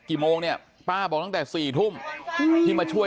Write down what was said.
ติดเตียงได้ยินเสียงลูกสาวต้องโทรศัพท์ไปหาคนมาช่วย